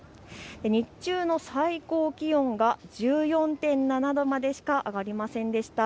日中の最高気温が１４．７度までしか上がりませんでした。